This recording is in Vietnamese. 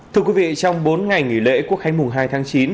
thưa quý vị trong bốn ngày nghỉ lễ quốc khánh mùng hai tháng chín